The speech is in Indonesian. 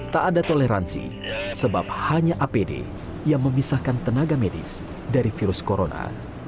tak ada toleransi sebab hanya apd yang memisahkan tenaga medis dari virus corona